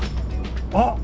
あっ！